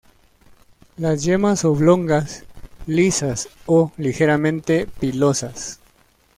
Las yemas oblongas, lisas o ligeramente pilosas.